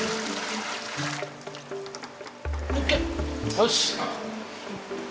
よし。